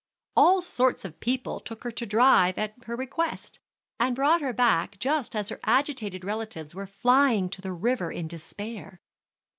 All sorts of people took her to drive at her request, and brought her back just as her agitated relatives were flying to the river in despair.